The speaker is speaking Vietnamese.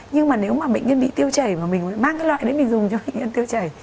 nhưng mà nếu mà bệnh nhân bị tiêu chảy mà mình mang cái loại đấy mình dùng cho khí nhân tiêu chảy